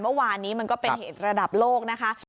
เมื่อวานนี้มันก็เป็นเหตุระดับโลกนะคะ